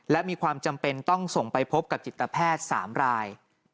และมีความจำเป็นต้องส่งไปพบกับจิตแพทย์๓ราย